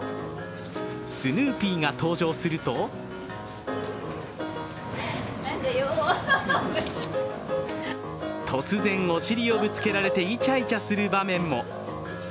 スヌーピーが登場すると突然、お尻をぶつけられてイチャイチャする場面も。